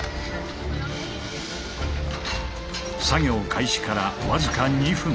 作業開始から僅か２分。